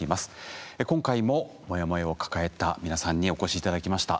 今回もモヤモヤを抱えた皆さんにお越し頂きました。